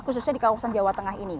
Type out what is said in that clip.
khususnya di kawasan jawa tengah ini